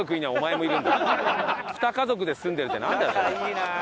２家族で住んでるってなんだよそれ！